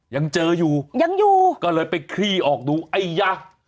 ยังเจออยู่ก็เลยไปคลี่ออกดูไอยะ